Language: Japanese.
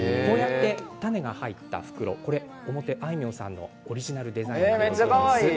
種が入った袋、表あいみょんさんのオリジナルデザインなんです。